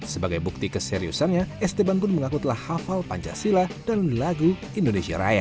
sebagai bukti keseriusannya esteban pun mengakutlah hafal pancasila dan lagu indonesia raya